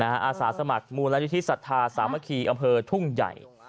อาสาสมัสมูลรายุทธิศภาคสมคีอำเภอทุ่งใหญ่